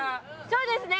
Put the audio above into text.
そうですね